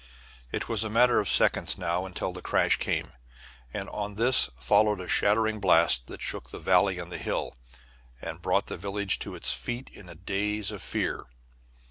"] It was a matter of seconds now until the crash came, and on this followed a shattering blast that shook the valley and hill, and brought the village to its feet in a daze of fear.